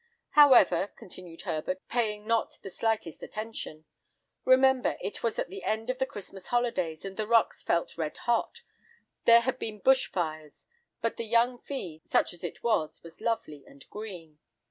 "However," continued Herbert, paying not the slightest attention, "remember, it was at the end of the Christmas holidays, and the rocks felt red hot; there had been bush fires, but the young feed, such as it was, was lovely and green.